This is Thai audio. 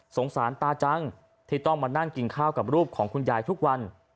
สารตาจังที่ต้องมานั่งกินข้าวกับรูปของคุณยายทุกวัน